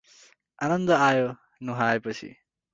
आनन्द आयो नुहाए पछि।